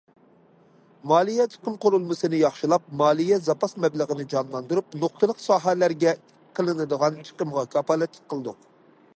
مالىيە چىقىم قۇرۇلمىسىنى ياخشىلاپ، مالىيە زاپاس مەبلىغىنى جانلاندۇرۇپ، نۇقتىلىق ساھەلەرگە قىلىنىدىغان چىقىمغا كاپالەتلىك قىلدۇق.